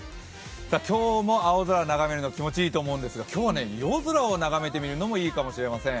今日も青空眺めるの気持ちいいと思うんですが今日は夜空を眺めてみるのもいいかもしれません。